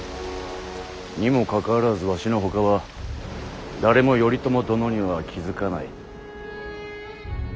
にもかかわらずわしのほかは誰も頼朝殿には気付かない。